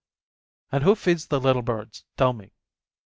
And who feeds the little birds, tell me?